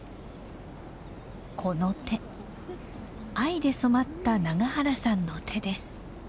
この手藍で染まった永原さんの手です。